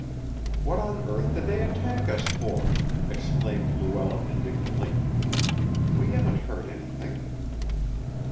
"What on earth did they attack us for?" exclaimed Luella indignantly. "We hadn't hurt anything."